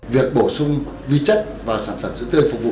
việc bổ sung vi chất vào sản phẩm sữa tươi phục vụ